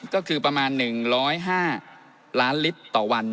ก็คือประมาณ๑๐๕ล้านลิตรต่อวัน